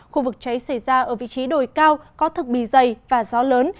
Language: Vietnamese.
khu vực cháy xảy ra ở vị trí đồi cao có thực bì dày và gió lớn